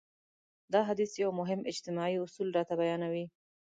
دا حديث يو مهم اجتماعي اصول راته بيانوي.